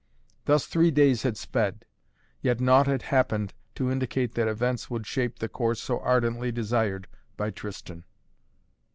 Thus three days had sped, yet naught had happened to indicate that events would shape the course so ardently desired by Tristan.